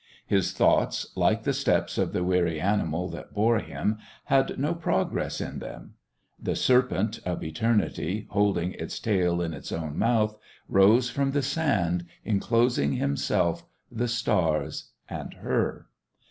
His thoughts, like the steps of the weary animal that bore him, had no progress in them. The serpent of eternity, holding its tail in its own mouth, rose from the sand, enclosing himself, the stars and her.